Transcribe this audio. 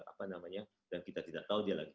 apa namanya dan kita tidak tahu dia lagi